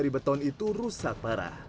beton itu rusak parah